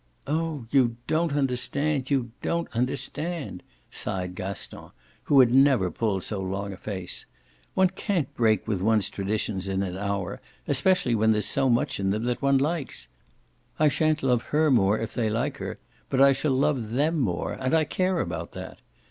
"Oh you don't understand, you don't understand!" sighed Gaston, who had never pulled so long a face. "One can't break with one's traditions in an hour, especially when there's so much in them that one likes. I shan't love her more if they like her, but I shall love THEM more, and I care about that.